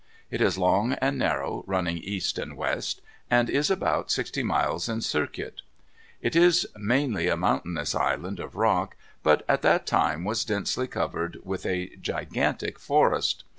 It is long and narrow, running east and west, and is about sixty miles in circuit. It is mainly a mountainous island of rock, but at that time was densely covered with a gigantic forest.